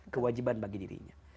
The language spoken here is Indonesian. kewajiban bagi dirinya